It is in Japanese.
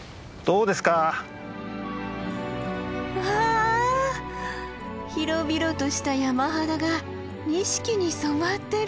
うわ広々とした山肌が錦に染まってる。